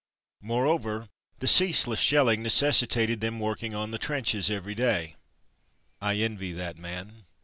Moreover, the ceaseless shelling necessitated them working on the trenches every day. I envy that man.